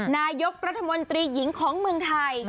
นายกรัฐมนตรีหญิงของเมืองไทย